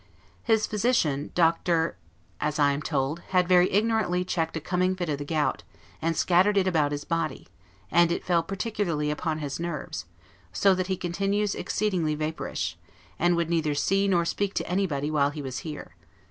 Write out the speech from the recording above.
His physician, Dr. , as I am told, had, very ignorantly, checked a coming fit of the gout, and scattered it about his body; and it fell particularly upon his nerves, so that he continues exceedingly vaporish; and would neither see nor speak to anybody while he was here.